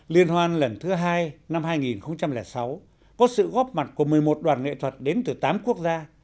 liên hoan lần thứ hai năm hai nghìn sáu có sự góp mặt của một mươi một đoàn nghệ thuật đến từ tám quốc gia